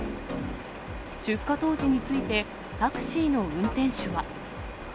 出火当時についてタクシーの運転手は。